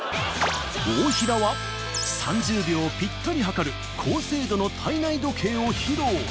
大平は３０秒をピッタリはかる高精度の体内時計を披露。